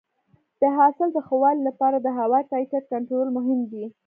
د حاصل د ښه والي لپاره د هوا کیفیت کنټرول مهم دی.